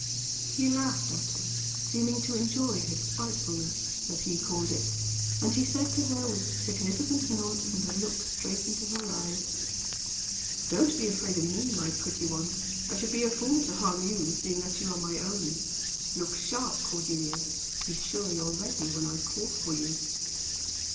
He laughed at her, seeming to enjoy her spitefulness, as he called it; and he said to her, with significant nod, and a look straight into her eyes: "Don't be afraid of me, my pretty one. I should be a fool to harm you, seeing that you are my own. Look sharp, Cordelia. Be sure you're ready when I call for you!"